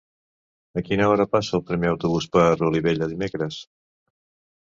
A quina hora passa el primer autobús per Olivella dimecres?